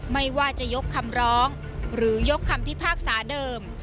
ไม่ว่าจะยกคำร้องหรือยกคำพิพากษาเดิม